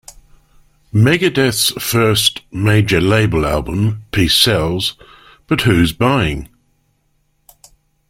Megadeth's first major-label album, Peace Sells... but Who's Buying?